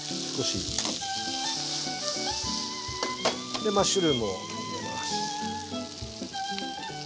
でマッシュルームを入れます。